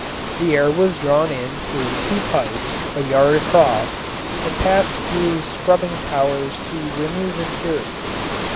The air was drawn in through two pipes, a yard across, and passed through scrubbing towers to remove impurities.